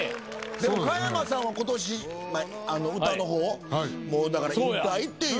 でも加山さんは今年歌の方を引退っていう。